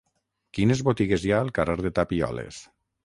Quines botigues hi ha al carrer de Tapioles?